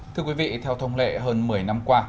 thưa quý vị theo thông lệ hơn một mươi năm qua